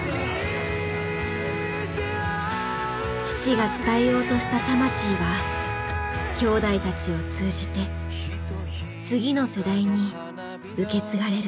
父が伝えようとした魂は兄弟たちを通じて次の世代に受け継がれる。